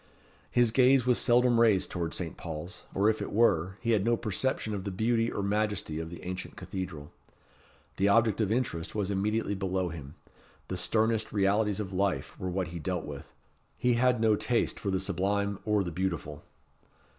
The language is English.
His gaze was seldom raised towards Saint Paul's, or if it were, he had no perception of the beauty or majesty of the ancient cathedral. The object of interest was immediately below him. The sternest realities of life were what he dealt with. He had no taste for the sublime or the beautiful.